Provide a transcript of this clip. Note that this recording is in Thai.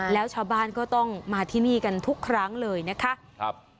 แล้วชาวบ้านก็ต้องมาที่นี่กันทุกครั้งเลยนะคะ